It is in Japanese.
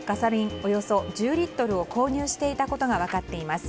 およそ１０リットルを購入していたことが分かっています。